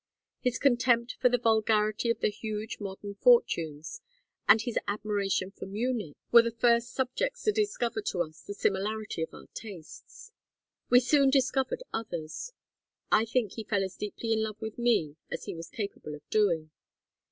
His contempt for the vulgarity of the huge modern fortunes, and his admiration for Munich, were the first subjects to discover to us the similarity of our tastes. "We soon discovered others. I think he fell as deeply in love with me as he was capable of doing.